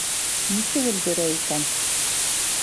Нисек өлгөрә икән?